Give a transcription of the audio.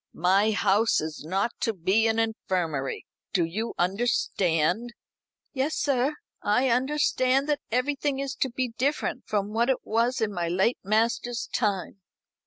My house is not to be an infirmary. Do you understand?" "Yes, sir; I understand that everything is to be different from what it was in my late master's time."